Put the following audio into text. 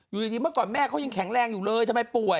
อยู่ดีเมื่อก่อนแม่เขายังแข็งแรงอยู่เลยทำไมป่วย